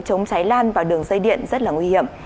chống cháy lan vào đường dây điện rất là nguy hiểm